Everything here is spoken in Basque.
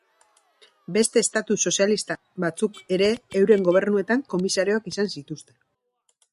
Beste estatu sozialista batzuk ere euren gobernuetan komisarioak izan zituzten.